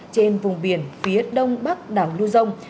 trên vùng biển phía đông bắc đảo lưu dông